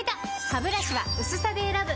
ハブラシは薄さで選ぶ！